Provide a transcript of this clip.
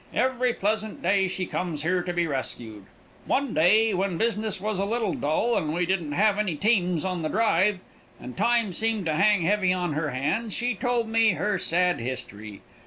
Every pleasant day she comes here to be rescued. One day, when business was a little dull and we didn't have any teams on the drive, and time seemed to hang heavy on her hands, she told me her sad history.